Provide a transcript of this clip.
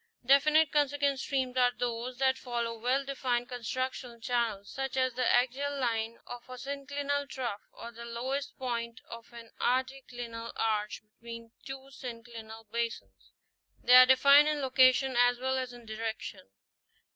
Definite consequent streams are those that follow well defined constructional channels, such as the axial line of a syn clinal trough, or the lowest point of an anticlinal arch between two synclinal basins ; they are defined in location as well as in direction.